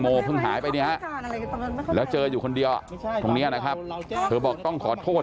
เพิ่งหายไปเนี่ยฮะแล้วเจออยู่คนเดียวตรงนี้นะครับเธอบอกต้องขอโทษ